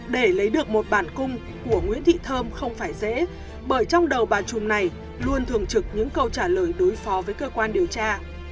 để lấy được một bản cung của nguyễn thị thơm không phải dễ bởi trong đầu bà trùm này luôn thường trực những câu trả lời đối phó với cơ quan điều tra